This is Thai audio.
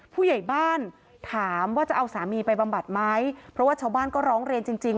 ผู้ใหญ่บ้านถามว่าจะเอาสามีไปบำบัดไหมเพราะว่าชาวบ้านก็ร้องเรียนจริงจริง